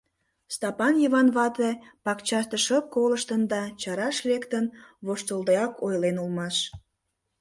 Стапан Йыван вате пакчаште шып колыштын да, чараш лектын, воштылдеак ойлен улмаш.